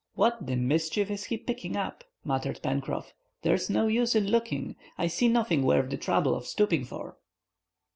"What, the mischief, is he picking up?" muttered Pencroff. "There's no use in looking; I see nothing worth the trouble of stooping for."